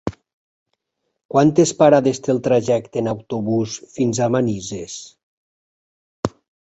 Quantes parades té el trajecte en autobús fins a Manises?